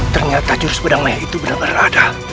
ternyata jurus pedang maya itu benar benar ada